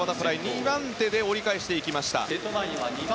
２番手で折り返しました。